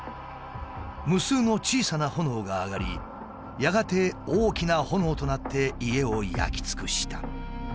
無数の小さな炎が上がりやがて大きな炎となって家を焼き尽くした。